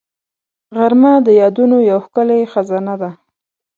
غرمه د یادونو یو ښکلې خزانه ده